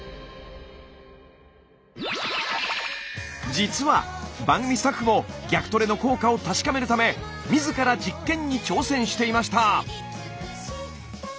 実は番組スタッフも逆トレの効果を確かめるため自ら実験に挑戦していました！